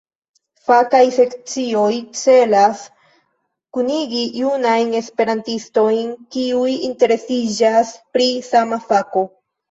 Fakaj sekcioj celas kunigi junajn Esperantistojn kiuj interesiĝas pri sama fako.